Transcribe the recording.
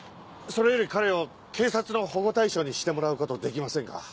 それより彼を警察の保護対象にしてもらうことできませんか？